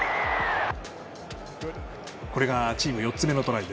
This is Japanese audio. これがチーム４つ目のトライ。